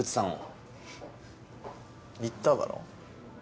言っただろ。